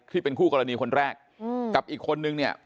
ที่เป็นคู่กรณีคนแรกกับอีกคนนึงเนี่ย